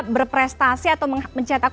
berprestasi atau mencetak